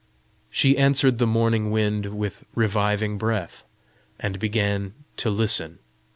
She answered the morning wind with reviving breath, and began to listen.